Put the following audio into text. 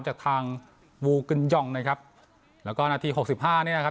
จากทางนะครับแล้วก็นาทีหกสิบห้าเนี่ยครับ